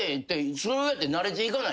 そうやって慣れていかないと。